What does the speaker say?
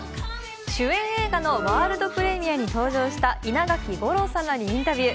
主演映画のワールドプレミアに登場した稲垣吾郎さんらにインタビュー。